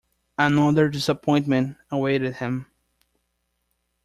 Another disappointment awaited him